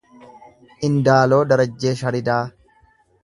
Indaaloo Darajjee Sharidaa